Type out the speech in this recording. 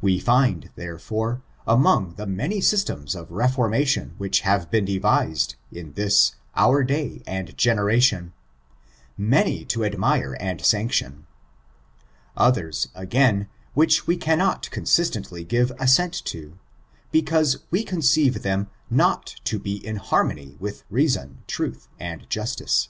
We find, therefore, among the many systems of reformation which have been devised in this our day and generation, many to admire and sanction ; others, again, which we cannot consistentiy give assent to, because we conceive them not to be in harmony with reason, truth, and justice.